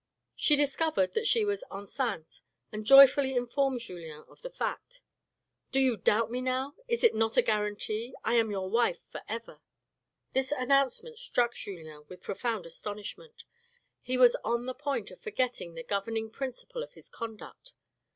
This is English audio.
She discovered that she was enceinte and joyfully informed Julien of the fact. " Do you doubt me now ? Is it not a guarantee ? I am your wife for ever." This announcement struck Julien with profound astonish ment. He was on the point of forgetttng the governing principle of his conduct.